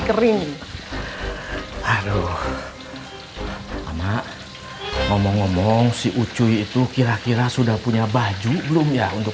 hari ini aduh emak ngomong ngomong sih ucuy itu kira kira sudah punya baju belum ya untuk